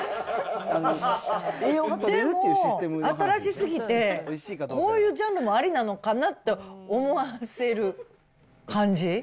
でも、新しすぎて、こういうジャンルもありなのかなと思わせる感じ？